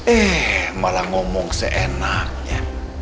eh malah ngomong seenaknya